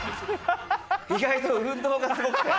意外と運動がすごくてはい。